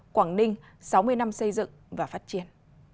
quảng ninh sáu mươi năm xây dựng và phát triển